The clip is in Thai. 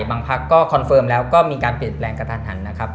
บางพักก็คอนเฟิร์มแล้วก็มีการเปลี่ยนแปลงกระทันหันนะครับ